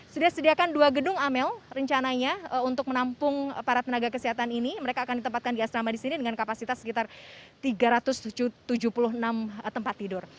sudah sediakan dua gedung amel rencananya untuk menampung para tenaga kesehatan ini mereka akan ditempatkan di asrama di sini dengan kapasitas sekitar tiga ratus tujuh puluh enam tempat tidur